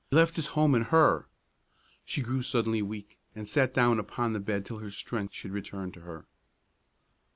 left his home and her! She grew suddenly weak, and sat down upon the bed till her strength should return to her.